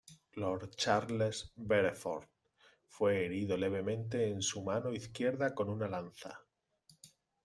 Lord Charles Beresford fue herido levemente en su mano izquierda con una lanza.